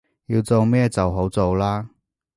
要做咩就好做喇